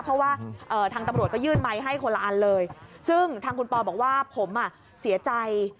เพราะว่าทางตำรวจก็ยื่นไมค์ให้คนละอันเลยซึ่งทางคุณปอบอกว่าผมอ่ะเสียใจ